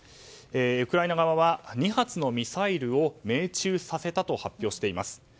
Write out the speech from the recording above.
ウクライナ側は２発のミサイルを命中させたと発表しています。